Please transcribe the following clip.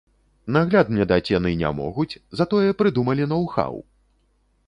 Нагляд мне даць яны не могуць, затое прыдумалі ноу-хау!